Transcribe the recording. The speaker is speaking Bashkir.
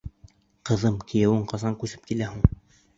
Ҡыҙым, кейәүең ҡасан күсеп килә һуң?